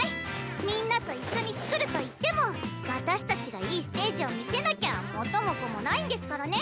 みんなと一緒に作るといっても私たちがいいステージを見せなきゃ元も子もないんですからね！